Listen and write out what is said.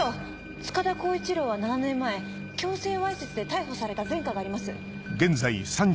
塚田巧一朗は７年前強制わいせつで逮捕された前科があります。